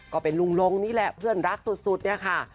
ก็เป็นลุงลงนี่แหละเพื่อนรักสุดเนี่ยค่ะ